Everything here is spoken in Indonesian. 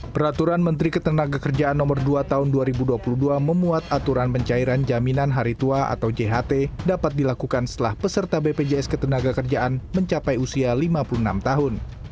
peraturan menteri ketenagakerjaan no dua tahun dua ribu dua puluh dua memuat aturan pencairan jaminan hari tua atau jht dapat dilakukan setelah peserta bpjs ketenaga kerjaan mencapai usia lima puluh enam tahun